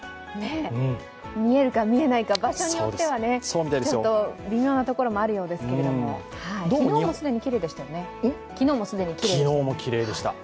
見えるか、見えないか、場所によってはちょっと微妙なところもあるようですけれども、昨日も既にきれいでしたよね。